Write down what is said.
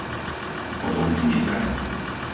Odomkni dvere.